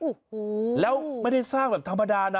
โอ้โหแล้วไม่ได้สร้างแบบธรรมดานะ